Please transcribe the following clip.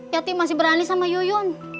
yatim masih berani sama yuyun